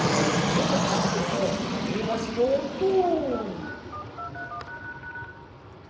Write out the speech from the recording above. それじゃあさっそくあのこにでんわしようっと。